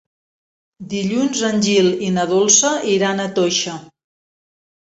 Dilluns en Gil i na Dolça iran a Toixa.